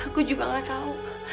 aku juga nggak tahu